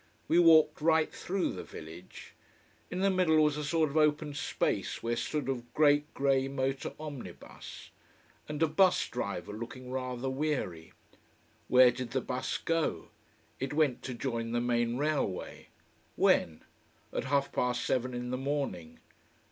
We walked right through the village. In the middle was a sort of open space where stood a great, grey motor omnibus. And a bus driver looking rather weary. Where did the bus go? It went to join the main railway. When? At half past seven in the morning.